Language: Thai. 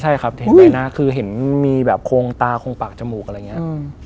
ใช่ครับเห็นใบหน้าคือเห็นมีแบบโครงตาคงปากจมูกอะไรอย่างนี้